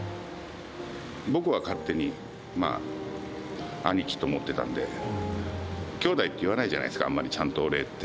僕は勝手に兄貴と思ってたんで、兄弟って言わないじゃないですか、あんまりちゃんとお礼って。